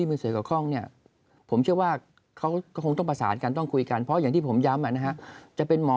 ไปคุยกันหรือยังไงกัน